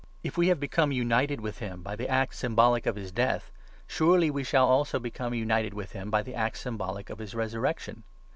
If we have become ROMANS, 6—7. 359 united with him by the act symbolic of his death, surely we shall also become united with him by the act symbolic of his resurrection.